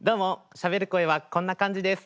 しゃべる声はこんな感じです。